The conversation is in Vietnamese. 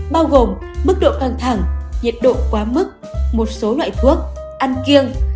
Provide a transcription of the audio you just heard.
bao gồm mức độ căng thẳng nhiệt độ quá mức một số loại thuốc ăn kiêng